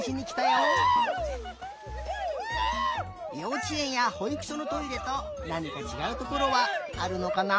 ようちえんやほいくしょのトイレとなにかちがうところはあるのかな？